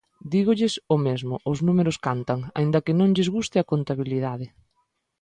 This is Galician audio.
Dígolles o mesmo: os números cantan, aínda que non lles guste a contabilidade.